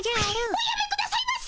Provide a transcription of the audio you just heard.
おやめくださいませ！